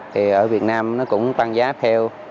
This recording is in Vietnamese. thì ở việt nam nó cũng tăng giá theo